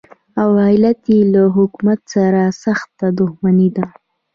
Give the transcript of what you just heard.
او علت یې له حکومت سره سخته دښمني ده.